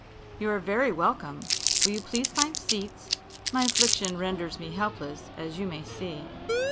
"You are very welcome. Will you please find seats? My affliction renders me helpless, as you may see."